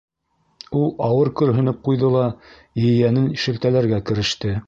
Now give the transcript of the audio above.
Ул ауыр көрһөнөп ҡуйҙы ла ейәнен шелтәләргә кереште.